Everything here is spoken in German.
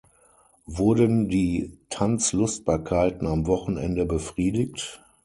Wurden die Tanzlustbarkeiten am Wochende befriedigt?